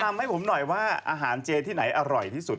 ทำให้ผมหน่อยว่าอาหารเจที่ไหนอร่อยที่สุด